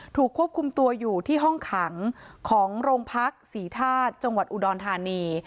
ถูกควบคุมตัวอยู่ที่ห้องขังของโรงพักษีธาตุจังหวัดอุดรธานี